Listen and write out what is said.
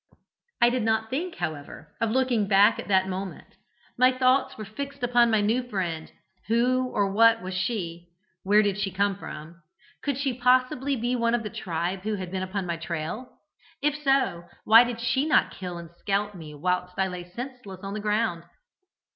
I did not think, however, of looking back at that moment; my thoughts were fixed upon my new friend: who or what was she, where did she come from, could she possibly be one of the tribe who had been upon my trail? If so, why did she not kill and scalp me whilst I lay senseless on the ground?